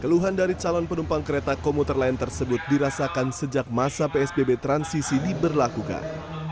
keluhan dari calon penumpang kereta komuter lain tersebut dirasakan sejak masa psbb transisi diberlakukan